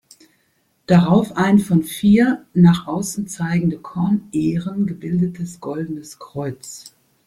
Darauf ein von vier nach außen zeigende Kornähren gebildetes goldenes Kreuz.